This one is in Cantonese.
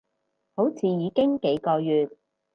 好似已經幾個月